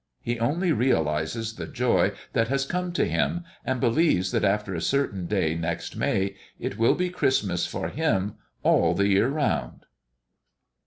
He only realizes the joy that has come to him, and believes that after a certain day next May it will be Christmas for him all the year round.